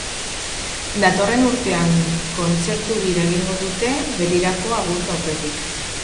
Datorren urtean kontzertu-bira egingo dute, betirako agurtu aurretik.